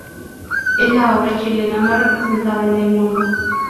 Es la obra chilena más representada en el mundo.